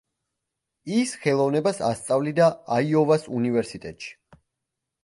ის ხელოვნებას ასწავლიდა აიოვას უნივერსიტეტში.